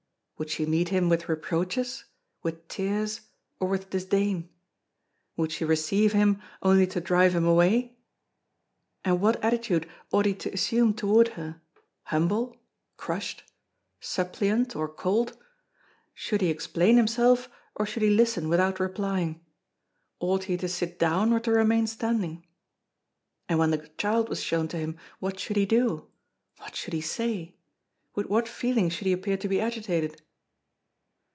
Would she meet him with reproaches, with tears, or with disdain? Would she receive him, only to drive him away? And what attitude ought he to assume toward her? Humble, crushed, suppliant, or cold? Should he explain himself or should he listen without replying? Ought he to sit down or to remain standing? And when the child was shown to him, what should he do? What should he say? With what feeling should he appear to be agitated?